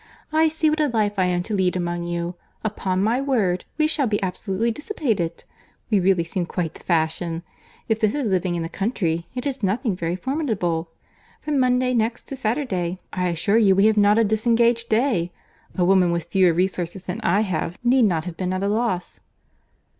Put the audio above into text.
"I see what a life I am to lead among you. Upon my word we shall be absolutely dissipated. We really seem quite the fashion. If this is living in the country, it is nothing very formidable. From Monday next to Saturday, I assure you we have not a disengaged day!—A woman with fewer resources than I have, need not have been at a loss."